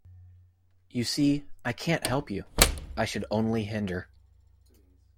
You see, I can’t help you; I should only hinder.